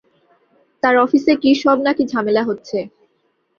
তার অফিসে কী-সব নাকি ঝামেলা হচ্ছে।